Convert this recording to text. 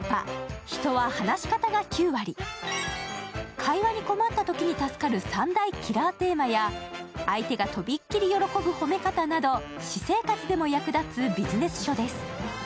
会話に困ったときに助かる３大キラーテーマや相手がとびっきり喜ぶ褒め方など私生活でも役立つビジネス書です。